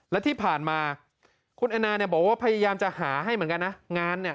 และที่ผ่านมาคุณแอนนาบอกว่าพยายามจะหาให้เหมือนกันนะงานเนี่ย